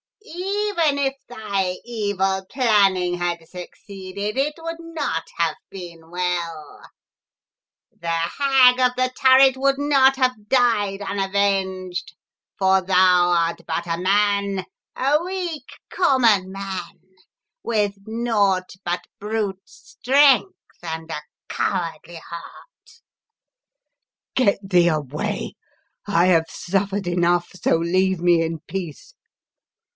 Even if thy evil planning had succeeded it would not have been well; the Hag of the Turret would not have died un avenged, for thou art but a man — a weak, common man, — with naught but brute strength and a cowardly heart!" " Get thee away! I have suffered enough, so leave me in peace!"